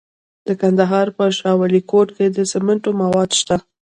د کندهار په شاه ولیکوټ کې د سمنټو مواد شته.